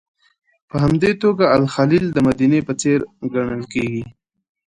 په همدې توګه الخلیل د مدینې په څېر ګڼل کېږي.